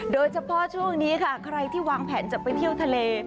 โดยเฉพาะช่วงนี้ค่ะใครที่วางแผนจะไปเที่ยวทะเล